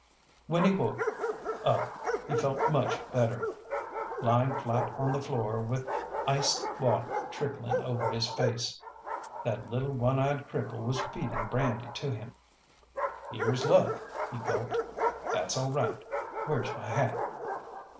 When he woke up he felt much better, lying flat on the floor with iced water trickling over his face. That little one eyed cripple was feeding brandy to him. "Here's luck!" he gulped, "that's all right where's my hat?"